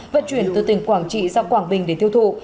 vận chuyển từ tỉnh quảng trị ra quảng bình để tiêu thụ